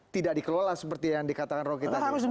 tidak dikelola seperti yang dikatakan rocky tadi